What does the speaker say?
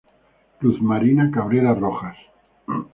Luz Marina Cabrera Rojas.